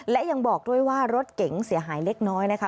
และยังบอกด้วยว่ารถเก๋งเสียหายเล็กน้อยนะคะ